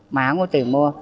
mà không có tiền mua